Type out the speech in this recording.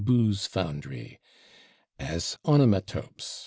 /booze foundry/; as onomatopes, /e.